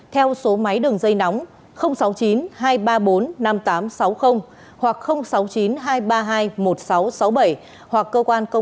theo số máy đường dây nóng sáu mươi chín hai trăm ba mươi bốn năm nghìn tám trăm sáu mươi hoặc sáu mươi chín hai trăm ba mươi hai một nghìn sáu trăm sáu mươi bảy